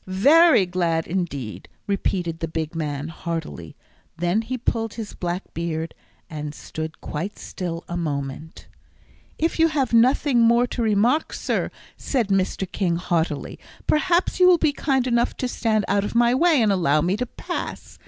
"Very glad indeed!" repeated the big man, heartily; then he pulled his black beard, and stood quite still a moment. "If you have nothing more to remark, sir," said Mr. King, haughtily, "perhaps you will be kind enough to stand out of my way, and allow me to pass.